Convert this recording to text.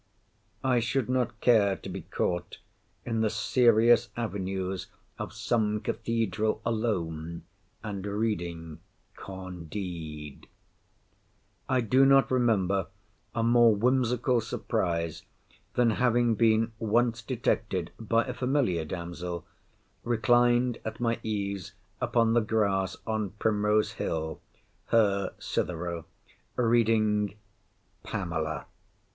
I should not care to be caught in the serious avenues of some cathedral alone, and reading Candide. I do not remember a more whimsical surprise than having been once detected—by a familiar damsel—reclined at my ease upon the grass, on Primrose Hill (her Cythera), reading—Pamela.